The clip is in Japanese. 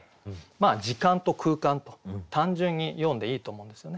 時間と空間と単純によんでいいと思うんですよね。